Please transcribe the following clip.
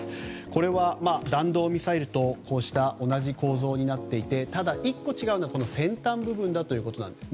これは弾道ミサイルと同じ構造になっていてただ、１個違うのは先端部分ということです。